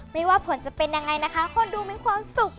ความสุขแน่นอนค่ะ